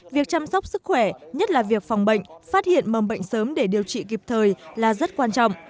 việc chăm sóc sức khỏe nhất là việc phòng bệnh phát hiện mầm bệnh sớm để điều trị kịp thời là rất quan trọng